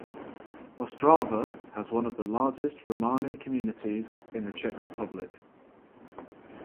Ostrava has one of the largest Romani communities in the Czech Republic.